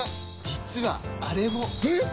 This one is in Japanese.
実はあれも！え！？